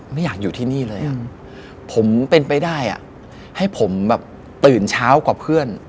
ไม่อยากอยู่ที่นี่เลยอ่ะผมเป็นไปได้อ่ะให้ผมแบบตื่นเช้ากว่าเพื่อน